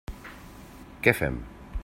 Què fem?